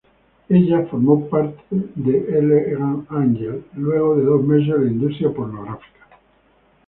Ella formó parte de Elegant Angel luego de dos meses en la industria pornográfica.